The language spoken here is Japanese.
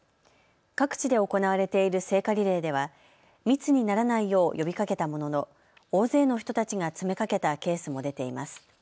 各地で行われている聖火リレーでは密にならないよう呼びかけたものの大勢の人たちが詰めかけたケースも出ています。